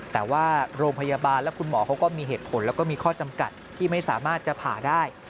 แต่ว่าโรงพยาบาลและคุณหมอเขาก็มีเหตุผลแล้วก็มีข้อจำกัดที่ไม่สามารถจะผ่าได้